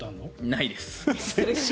ないです。